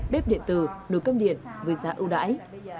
bếp điện tử đồ công điện vừa giá ưu đãi